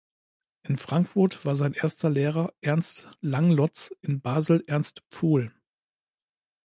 In Frankfurt war sein erster Lehrer Ernst Langlotz, in Basel Ernst Pfuhl.